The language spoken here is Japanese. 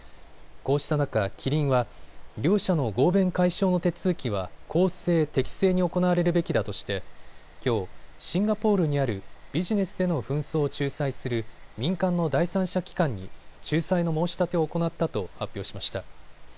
こうした中、キリンは両社の合弁解消の手続きは公正・適正に行われるべきだとしてきょう、シンガポールにあるビジネスでの紛争を仲裁する民間の第三者機関に仲裁の申し立てを行ったと発表しました。